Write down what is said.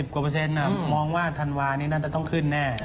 ๘๐กว่ามองว่าธันวานี้น่าจะต้องขึ้นแน่